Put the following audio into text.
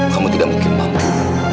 kamu tidak mungkin mampu